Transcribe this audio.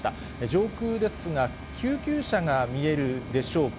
上空ですが、救急車が見えるでしょうか。